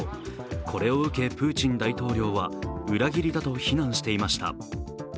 これを受け、プーチン大統領は裏切りだと非難していました。